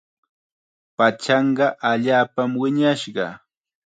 Pachanqa allaapam wiñashqa.